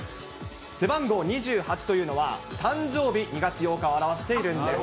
背番号２８というのは、誕生日、２月８日を表しているんです。